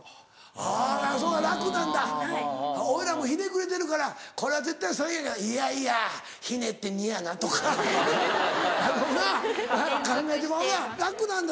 あぁ楽なんだおいらひねくれてるから「これは絶対３やいやいやひねって２やな」とか。なぁ考えてまうやん楽なんだ